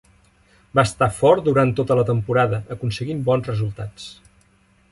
Va estar fort durant tota la temporada, aconseguint bons resultats.